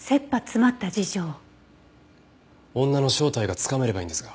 女の正体がつかめればいいんですが。